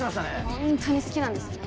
ホントに好きなんですね。